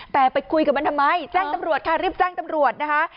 แต่ไปคุยกับมันทำไมแจ้งตำรวจค่ะรีบแจ้งตำรวจนะคะ